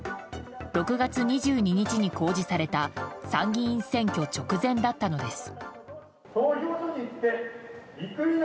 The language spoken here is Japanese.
６月２２日に公示された参議院選挙直前だったのです。